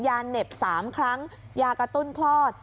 เหน็บ๓ครั้งยากระตุ้นคลอด